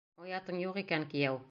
Оятың юҡ икән, кейәү!